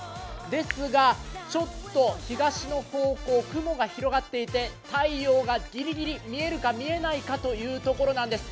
ですがちょっと東の方向、雲が広がっていて太陽がぎりぎり見えるか見えないかというところなんです。